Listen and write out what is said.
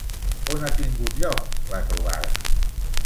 On ha tingut lloc la trobada?